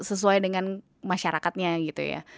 sesuai dengan masyarakatnya gitu ya